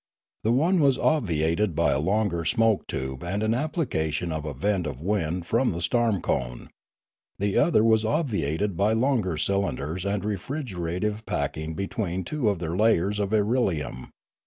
The one was obviated by a longer smoke tube and an application of a vent of wind from the storm cone; the other was obviated by longer cylinders and refrigera tive packing between two of their layers of irelium.